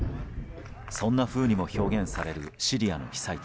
そんなふうにも表現されるシリアの被災地。